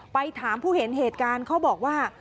ไปถามผู้เห็นเหตุการณ์เขาบอกว่า